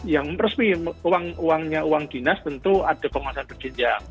yang resmi uangnya uang dinas tentu ada penguasaan berjenjang